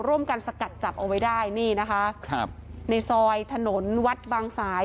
ร่วมกันสกัดจับเอาไว้ได้นี่นะคะครับในซอยถนนวัดบางสาย